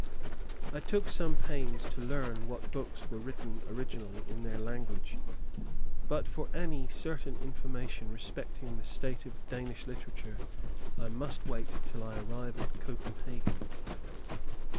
I took some pains to learn what books were written originally in their language; but for any certain information respecting the state of Danish literature I must wait till I arrive at Copenhagen.